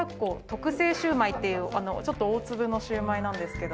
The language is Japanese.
特製シウマイっていうちょっと大粒のシウマイなんですけど。